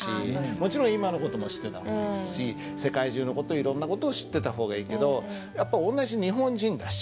もちろん今の事も知ってた方がいいし世界中の事いろんな事を知ってた方がいいけどやっぱ同じ日本人だし。